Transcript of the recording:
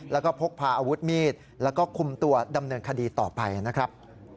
แล้วก็พกพาอาวุธมีดแล้วก็คุมตัวดำเนินคดีต่อไปนะครับ